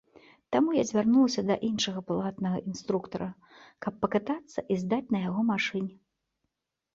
Таму я звярнулася да іншага платнага інструктара, каб пакатацца і здаць на яго машыне.